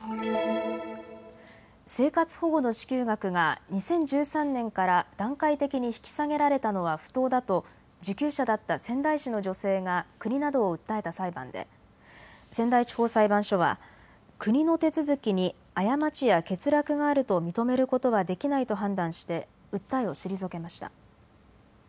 生活保護の支給額が２０１３年から段階的に引き下げられたのは不当だと受給者だった仙台市の女性が国などを訴えた裁判で仙台地方裁判所は国の手続きに過ちや欠落があると認めることはできないと判断して訴えを退けました。